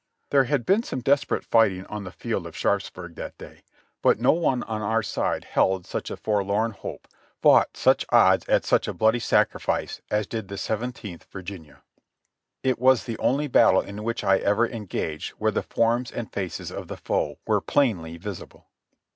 There had been some desperate fighting on the field of Sharps burg that day, but no one on our side held such a forlorn hope, 294 JOHNNY REB AND BII.I.Y YANK fought such odds at such a bloody sacrifice as did the Seven teenth Virginia. It was the only battle in which I ever engaged where the forms and faces of the foe were plainly visible.